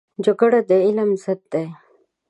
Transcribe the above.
جګړه د علم ضد دی